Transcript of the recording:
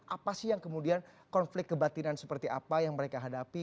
apa sih yang kemudian konflik kebatinan seperti apa yang mereka hadapi